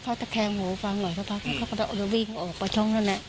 เขาตะแคงหมูฟังหน่อยเขาก็จะวิ่งออกไปช่องนั่นแหละ